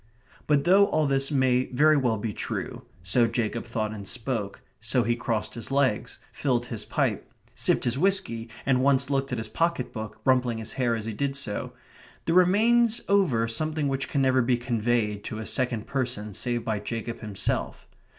But though all this may very well be true so Jacob thought and spoke so he crossed his legs filled his pipe sipped his whisky, and once looked at his pocket book, rumpling his hair as he did so, there remains over something which can never be conveyed to a second person save by Jacob himself.